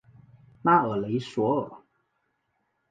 拉尔雷索尔。